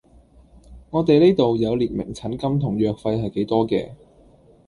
我哋呢度有列明診金同藥費係幾多嘅